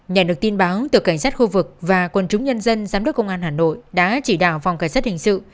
nhận được tin báo từ cảnh sát khu vực và quân chúng nhân dân giám đốc công an hà nội đã chỉ đạo phòng cảnh sát hình sự